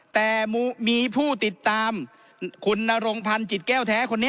แต่มีผู้ติดตามคุณนรงพันธ์จิตแก้วแท้คนนี้